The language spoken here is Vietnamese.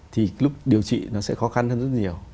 thì lúc điều trị nó sẽ khó khăn hơn rất nhiều